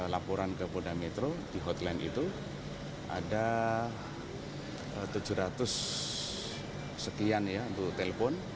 seribu lima puluh delapan laporan ke polda metro di hotline itu ada tujuh ratus sekian ya untuk telepon